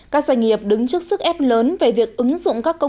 các doanh nghiệp đứng trước sức ép lớn về việc ứng dụng các công